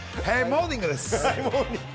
モーニングです！